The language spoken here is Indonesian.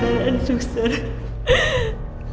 saya minta kebijaksanaan sus